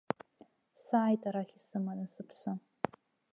Сааит арахь, исыманы сыԥсы.